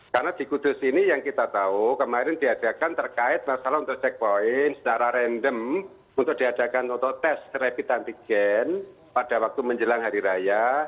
karena di kudus ini yang kita tahu kemarin diadakan terkait masalah untuk checkpoint secara random untuk diadakan untuk tes terapit antigen pada waktu menjelang hari raya